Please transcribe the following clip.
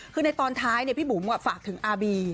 คือในตอนท้ายพี่บุ๋มฝากถึงอาร์บี